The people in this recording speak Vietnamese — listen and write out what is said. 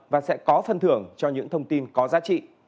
và sẽ có phân thưởng cho những thông tin có giá trị